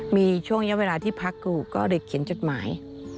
มีช่วงเวลาที่พักกูก็เลยเขียนจดหมาย